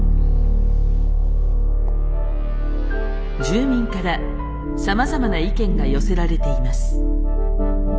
住民からさまざまな意見が寄せられています。